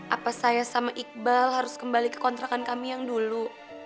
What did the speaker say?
apa saya sama iqbal harus kembali ke kontrakan kami yang dulu